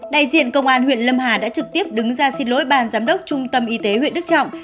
đại diện công an huyện lâm hà đã trực tiếp đứng ra xin lỗi ban giám đốc trung tâm y tế huyện đức trọng